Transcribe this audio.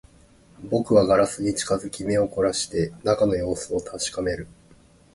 僕はガラスに近づき、目を凝らして中の様子を確かめる